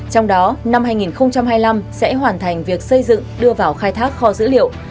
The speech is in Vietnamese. trong đó năm hai nghìn hai mươi năm sẽ hoàn thành việc xây dựng đưa vào khai thác kho dữ liệu